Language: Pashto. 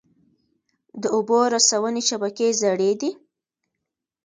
د اوبو رسونې شبکې زړې دي؟